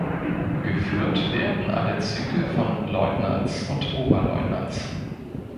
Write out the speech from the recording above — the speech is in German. Geführt werden alle Züge von Leutnants und Oberleutnants.